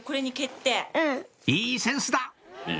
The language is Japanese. いいセンスだ！